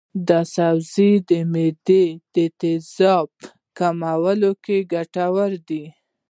دا سبزی د معدې د تیزابیت کمولو کې ګټور دی.